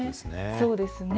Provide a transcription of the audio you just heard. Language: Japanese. そうですね。